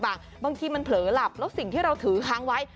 บางทีมันเผลอหลับแล้วสิ่งที่เราถือค้างไว้